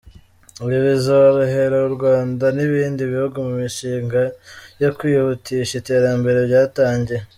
Ibi bizorohera u Rwanda n’ibindi bihugu mu mishinga yo kwihutisha iterambere byatangiye.